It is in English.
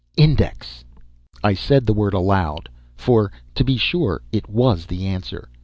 "Index!" I said the word aloud! For, to be sure, it was the answer.